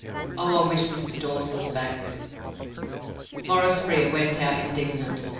Oh, I wish Mr. Dawes was back." Maurice Frere went out indignant.